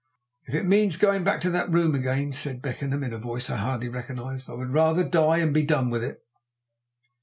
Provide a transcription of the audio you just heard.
"If it means going back to that room again," said Beckenham, in a voice I hardly recognized, "I would far rather die and be done with it."